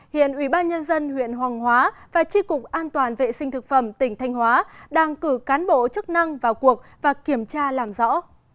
hiện ubnd huyện hoàng hóa và tri cục an toàn vệ sinh thực phẩm tỉnh thanh hóa đang cử cán bộ chức năng vào cuộc và kiểm tra làm rõ